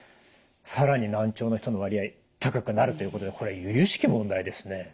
更に難聴の人の割合高くなるということでこれゆゆしき問題ですね。